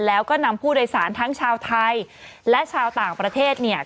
แล้วก็นำผู้โดยสารทั้งชาวไทยและชาวต่างประเทศเนี่ย